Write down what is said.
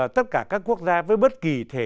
tất cả các quốc gia với bất kỳ thể